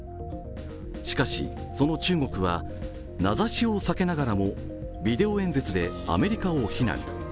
しかし、その中国は名指しを避けながらもビデオ演説でアメリカを非難。